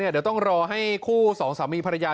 เดี๋ยวต้องรอให้คู่สองสามีภรรยา